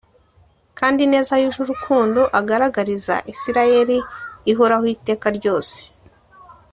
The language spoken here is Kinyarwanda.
kandi ineza yuje urukundo agaragariza isirayeli ihoraho iteka ryose